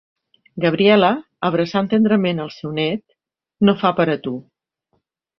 Gabriela, abraçant tendrament el seu nét–, no fa per a tu.